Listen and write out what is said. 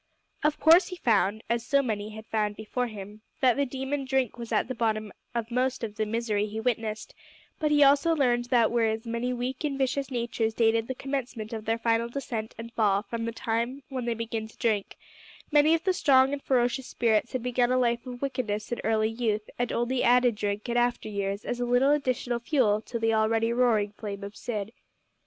Of course he found as so many had found before him that the demon Drink was at the bottom of most of the misery he witnessed, but he also learned that whereas many weak and vicious natures dated the commencement of their final descent and fall from the time when they began to drink, many of the strong and ferocious spirits had begun a life of wickedness in early youth, and only added drink in after years as a little additional fuel to the already roaring flame of sin.